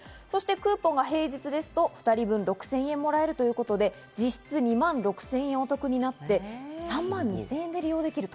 クーポンが平日ですと２人分６０００円もらえるということで、実質２万６０００円お得になって３万２０００円で利用できる。